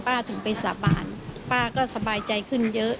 ถึงไปสาบานป้าก็สบายใจขึ้นเยอะ